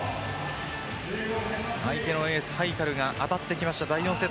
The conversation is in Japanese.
相手のエース、ハイカルが当たってきました。